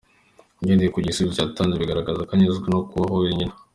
Ugendeye ku gisubizo yatanze bigaragaza ko anyuzwe no kubaho wenyine.